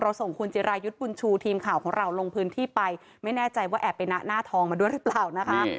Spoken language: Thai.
ส่งคุณจิรายุทธ์บุญชูทีมข่าวของเราลงพื้นที่ไปไม่แน่ใจว่าแอบไปนะหน้าทองมาด้วยหรือเปล่านะคะ